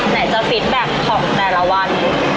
ไหนจะฟิตแบ็คของแต่ละวัน